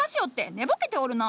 寝ぼけておるな。